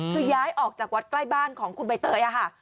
คือย้ายออกจากวัดใกล้บ้านของคุณใบเตยอะค่ะ